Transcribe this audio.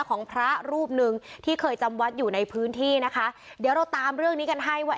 ของพระรูปหนึ่งที่เคยจำวัดอยู่ในพื้นที่นะคะเดี๋ยวเราตามเรื่องนี้กันให้ว่า